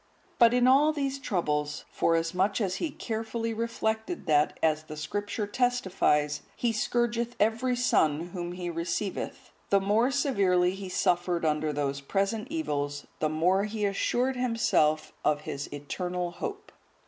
But in all these troubles, forasmuch as he carefully reflected that, as the Scripture testifies,(154) "He scourgeth every son whom He receiveth," the more severely he suffered under those present evils, the more he assured himself of his eternal hope.